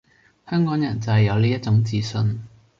香港人就係有呢一種自信